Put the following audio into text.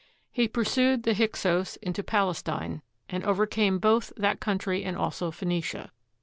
He pursued the Hyksos into Palestine and overcame both that country and also Phoenicia.